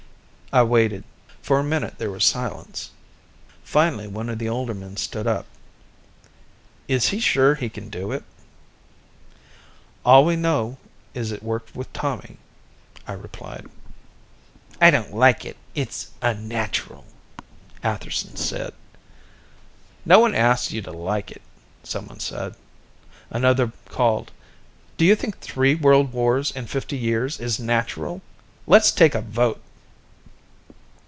I waited. For a minute there was silence. Finally one of the older men stood up. "Is he sure he can do it?" "All we know is it worked with Tommy," I replied. "I don't like it; it's unnatural," Atherson said. "No one asked you to like it," someone said. Another called: "Do you think three world wars in fifty years is natural? Let's take a vote."